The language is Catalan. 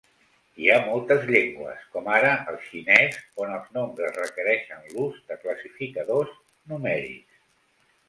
Hi ha moltes llengües, com ara el xinès, on els nombres requereixen l'ús de classificadors numèrics.